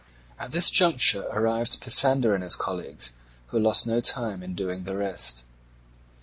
At this juncture arrived Pisander and his colleagues, who lost no time in doing the rest.